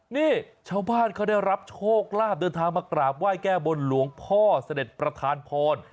นี่ชาวบ้านเขาได้รับโชคลาภเดินทางมากราบไหว้แก้บนหลวงพ่อเสด็จประธานพร